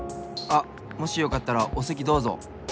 あっもしよかったらおせきどうぞ。